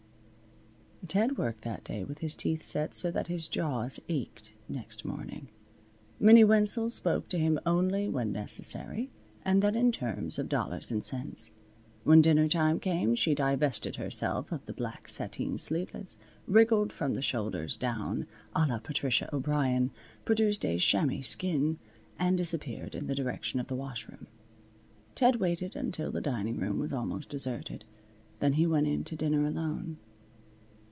Ted worked that day with his teeth set so that his jaws ached next morning. Minnie Wenzel spoke to him only when necessary and then in terms of dollars and cents. When dinner time came she divested herself of the black sateen sleevelets, wriggled from the shoulders down a la Patricia O'Brien, produced a chamois skin, and disappeared in the direction of the washroom. Ted waited until the dining room was almost deserted. Then he went in to dinner alone.